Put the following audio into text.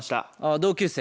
同級生？